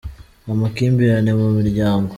Amakimbirane mu miryango.